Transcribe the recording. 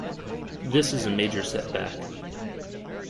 This is a major setback.